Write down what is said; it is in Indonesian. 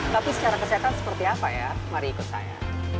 tapi secara kesehatan seperti apa ya mari ikut saya